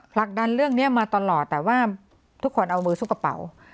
ผลักดันเรื่องนี้มาตลอดแต่ว่าทุกคนเอามือซุปกระเป๋า